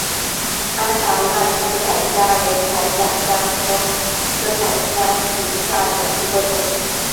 安达曼刺铠虾为铠甲虾科刺铠虾属下的一个种。